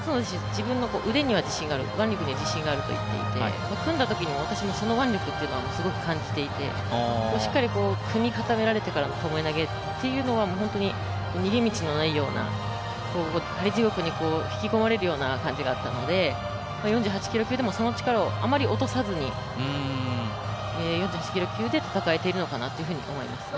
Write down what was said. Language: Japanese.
自分の腕力には自信があると言っていて組んだときに私もその腕力はすごく感じていて、しっかり組み固められてからともえ投げというのは逃げ道がないようなあり地獄に引き込まれるような感じがあったので４８キロ級でもその力をあまり落とさずに、４８キロ級で戦えているのかなと思いますね。